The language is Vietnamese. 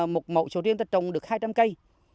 một mẫu sầu riêng ta trồng được hai trăm linh cây